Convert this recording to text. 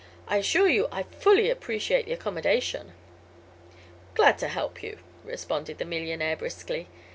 "I assure you I fully appreciate the accommodation." "Glad to help you," responded the millionaire, briskly.